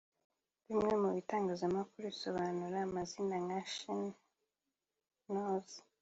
Bimwe mu bitangazamakuru bisobanura amazina nka she knows